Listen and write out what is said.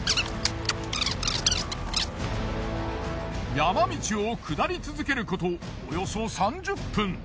山道を下り続けることおよそ３０分。